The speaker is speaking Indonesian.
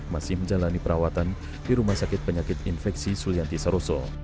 masih menjalani perawatan di rumah sakit penyakit infeksi sulianti saroso